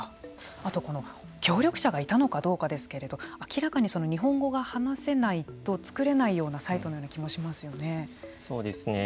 あとこの協力者がいたのかどうかですけれども明らかに日本語が話せないと作れないようなサイトのような気もしますよね。